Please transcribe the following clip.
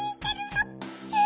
え！